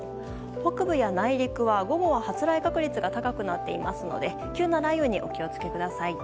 北部や内陸は、午後は発雷確率が高くなっていますので急な雷雨にお気をつけください。